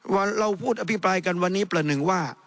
เราพูดอภิปรายกันวันนี้ประหนึ่งว่า